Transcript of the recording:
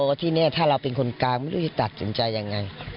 ว่าที่นี่ถ้าเราเป็นคนกลางไม่รู้จะตัดสินใจยังไง